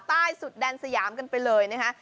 ใต้สุดแดนสยามกันไปเลยนะคะ